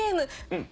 うん。